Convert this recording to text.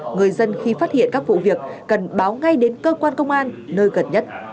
người dân khi phát hiện các vụ việc cần báo ngay đến cơ quan công an nơi gần nhất